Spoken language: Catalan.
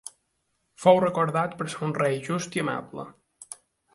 Fou recordat per ser un rei just i amable.